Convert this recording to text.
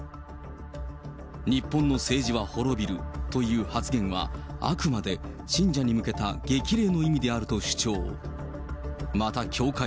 日本の政治は滅びるという発言は、あくまで信者に向けた激励の意味であると主張。